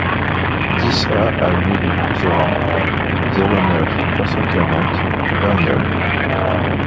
dix A avenue du Couserans, zéro neuf, trois cent quarante, Verniolle